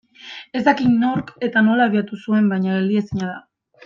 Ez dakit nork eta nola abiatuko zuen baina geldiezina da.